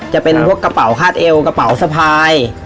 จะเป็นพวกกระเป๋าคาดเอวกระเป๋าสะพาย